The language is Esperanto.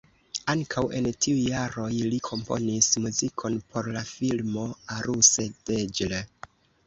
Ankaŭ en tiuj jaroj li komponis muzikon por la filmo Aruse Deĝle.